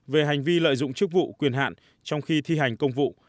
về hành vi lợi dụng chức vụ quyền hạn trong khi thi hành công vụ